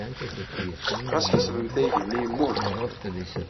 Ɣas ḥesbemt aydi-nni yemmut.